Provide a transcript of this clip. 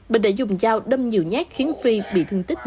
bình đã dùng dao đâm nhiều nhát khiến phi bị thương tích